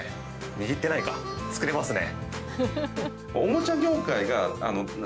握ってないか、作れますね！